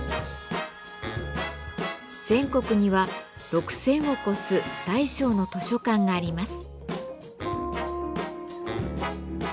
全国には６，０００を超す大小の図書館があります。